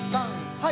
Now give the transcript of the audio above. はい。